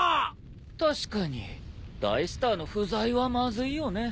確かに大スターの不在はまずいよね。